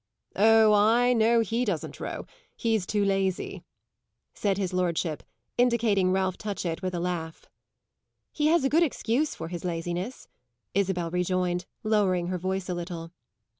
"Oh, I know he doesn't row; he's too lazy," said his lordship, indicating Ralph Touchett with a laugh. "He has a good excuse for his laziness," Isabel rejoined, lowering her voice a little.